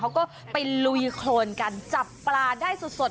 เขาก็ไปลุยโครนกันจับปลาได้สด